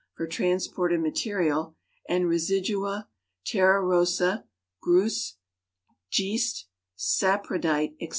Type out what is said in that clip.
for transported material, and " residua," " terra rossa," "gruss," "geest," "saprodite," etc.